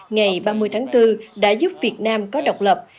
ngày ba mươi tháng bốn đã giúp việt nam có độc lập